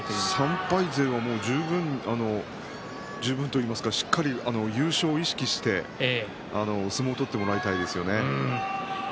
３敗勢は十分と言いますかしっかり優勝を意識して相撲を取ってもらいたいですよね。